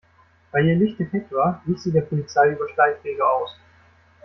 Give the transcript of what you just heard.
Weil ihr Licht defekt war, wich sie der Polizei über Schleichwege aus.